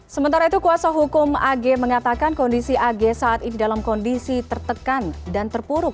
sementara itu kuasa hukum ag mengatakan kondisi ag saat ini dalam kondisi tertekan dan terpuruk